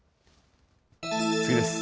次です。